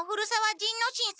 仁之進様！